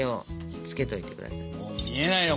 もう見えないよ